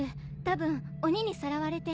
たぶん鬼にさらわれて。